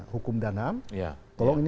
hukum dan ham tolong